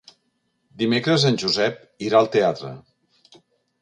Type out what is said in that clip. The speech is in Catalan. Dimecres en Josep irà al teatre.